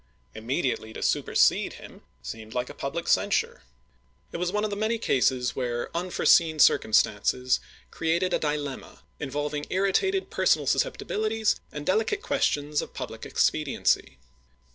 Immediately to supersede him seemed like a public censure. It was one of the many cases where unforeseen circumstances created a dilemma, involving irritated personal sus ceptibilities and delicate questions of public expe diency.